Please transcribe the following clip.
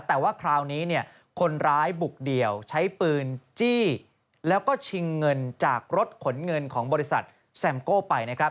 แต่ว่าคราวนี้คนร้ายบุกเดี่ยวใช้ปืนจี้แล้วก็ชิงเงินจากรถขนเงินของบริษัทแซมโก้ไปนะครับ